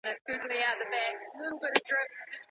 ولي هڅاند سړی د لایق کس په پرتله خنډونه ماتوي؟